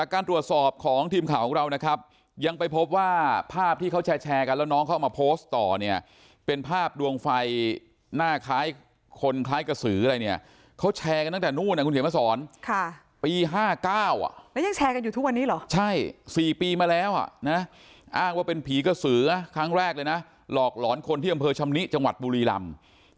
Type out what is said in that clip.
ครั้งแรกเลยนะหลอกหลอนคนที่อำเภอชำนิจังหวัดบุรีรำ